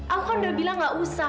aku udah bilang gak usah